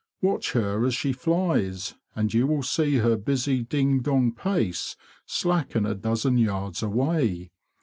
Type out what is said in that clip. Watch her as she flies, and you will see her busy ding dong pace slacken a dozen yards away.